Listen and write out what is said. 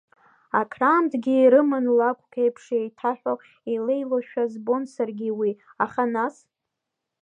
Акраамҭагьы ирыман лакәк еиԥш еиҭаҳәо, илеилошәа збон саргьы уи, аха нас…